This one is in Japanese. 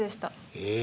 え。